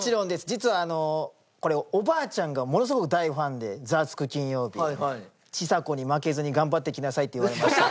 実はあのこれおばあちゃんがものすごく大ファンで『ザワつく！金曜日』の。「ちさ子に負けずに頑張ってきなさい」って言われました。